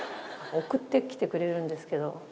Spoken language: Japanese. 送ってきてくれるんですけどそれがもうね。